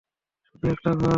শুধু একটা ঘর?